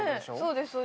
そうです